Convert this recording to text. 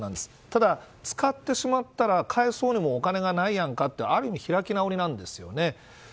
ただ、使ってしまったらお金がないやんかってある意味、開き直りなんですよね。